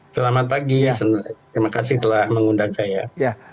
selamat pagi terima kasih telah mengundang saya